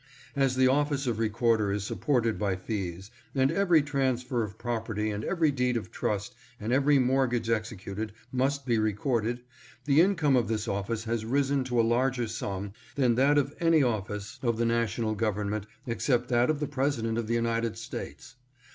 As the office of Re corder is supported by fees, and every transfer of property and every deed of trust and every mortgage executed must be recorded, the income of this office has risen to a larger sum than that of any office of the Na tional Government except that of the President of the United States.